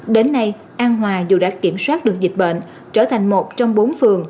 đến nay an hòa dù đã kiểm soát được dịch bệnh trở thành một trong bốn phường